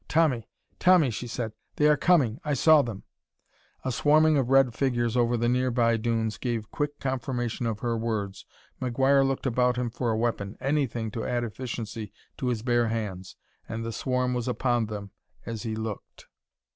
"Tommy Tommy!" she said. "They are coming! I saw them!" A swarming of red figures over the nearby dunes gave quick confirmation of her words. McGuire looked about him for a weapon anything to add efficiency to his bare hands and the swarm was upon them as he looked.